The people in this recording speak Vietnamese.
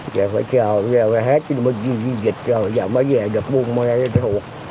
giờ phải chờ giờ hết bây giờ mới về được buôn mê thuộc